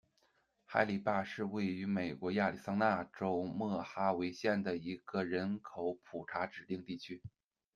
海狸坝是位于美国亚利桑那州莫哈维县的一个人口普查指定地区。